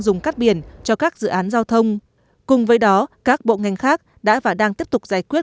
dùng cắt biển cho các dự án giao thông cùng với đó các bộ ngành khác đã và đang tiếp tục giải quyết